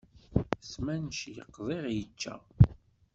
S manci qdiɣ icca.